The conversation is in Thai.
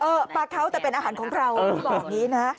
เออปลาเขาแต่เป็นอาหารของเราพี่บอกนี้นะฮะ